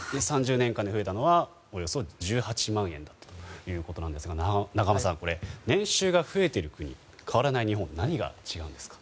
３０年間で増えたのはおよそ１８万円ということですが永濱さん年収が増えているアメリカと変わらない日本何が違うんですか？